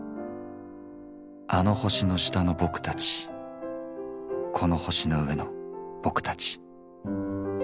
あの星の下のボクたちこの星の上のボクたち。